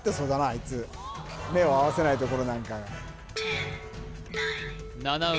いつ目を合わせないところなんか七海